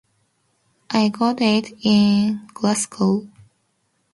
I got it in Glasgow.